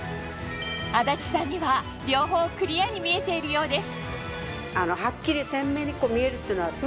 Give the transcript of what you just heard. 安達さんには両方クリアに見えているようです